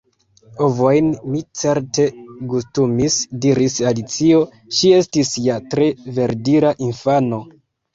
"Ovojn mi certe gustumis," diris Alicio, ŝi estis ja tre verdira infano.